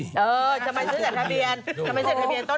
เออทำไมซื้อจากทะเบียนต้นหอม